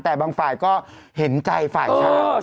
แต่บางฝ่ายก็เห็นใจฝ่ายชาย